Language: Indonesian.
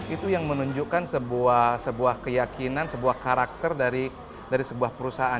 itu yang menunjukkan sebuah keyakinan sebuah karakter dari sebuah perusahaan